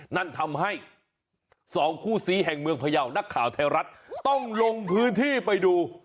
นั่นทำให้สองคู่ซีแห่งเมืองพยาวนักข่าวไทยรัฐต้องลงพื้นที่ไปดู